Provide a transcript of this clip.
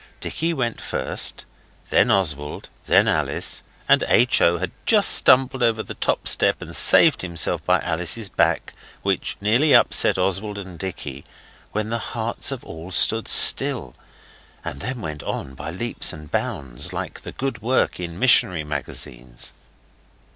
Dicky went first, then Oswald, then Alice and H. O. had just stumbled over the top step and saved himself by Alice's back, which nearly upset Oswald and Dicky, when the hearts of all stood still, and then went on by leaps and bounds, like the good work in missionary magazines.